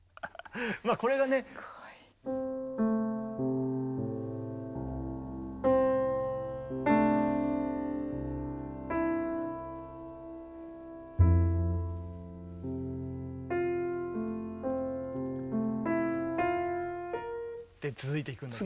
まあこれがね。って続いていくんだけど。